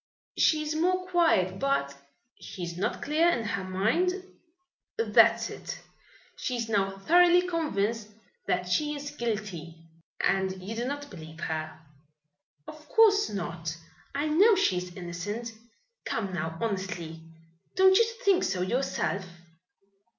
She is more quiet, but " "She is not clear in her mind?" "That's it. She is now thoroughly convinced that she is guilty." "And you do not believe her?" "Of course not. I know she is innocent. Come now, honestly, don't you think so yourself?"